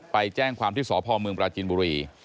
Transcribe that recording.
ไปแจ้งความที่สพเมืองปราจินบุรี